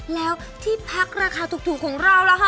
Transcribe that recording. แล้วที่พักราคาถูกของเราล่ะค่ะ